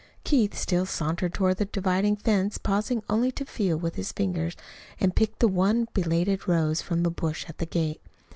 Keith still sauntered toward the dividing fence, pausing only to feel with his fingers and pick the one belated rose from the bush at the gate.